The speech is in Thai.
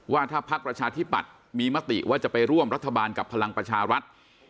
ว่าถ้าพักประชาธิปัตย์มีมติว่าจะไปร่วมรัฐบาลกับพลังประชารัฐ